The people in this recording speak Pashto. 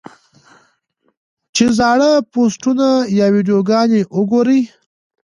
چې زاړۀ پوسټونه يا ويډيوګانې اوګوري -